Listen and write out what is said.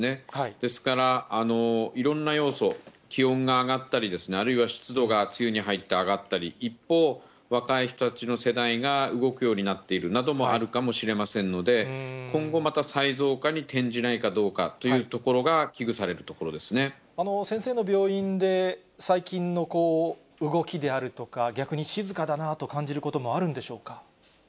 ですから、いろんな要素、気温が上がったりですね、あるいは湿度が梅雨に入って上がったり、一方、若い人たちの世代が動くようになっているなどもあるかもしれませんので、今後また再増加に転じないかどうかっていうところが危惧されると先生の病院で、最近の動きであるとか、逆に静かだなと感じることもあるんでしょうか。